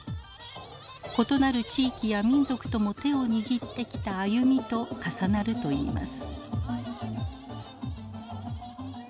異なる地域や民族とも手を握ってきた歩みと重なるといいます。